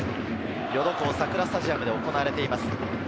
ヨドコウ桜スタジアムで行われています。